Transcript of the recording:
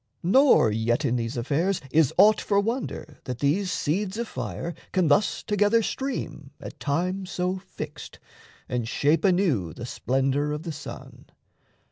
Nor yet in these affairs Is aught for wonder that these seeds of fire Can thus together stream at time so fixed And shape anew the splendour of the sun.